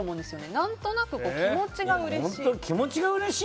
何となく気持ちがうれしい。